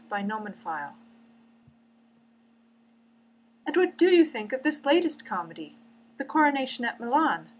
CHAPTER V "And what do you think of this latest comedy, the coronation at Milan?"